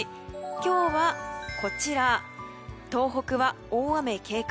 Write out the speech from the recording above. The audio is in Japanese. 今日は、こちら東北は大雨警戒。